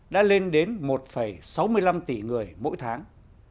đã lên đến một sáu mươi năm tỷ người mỗi tháng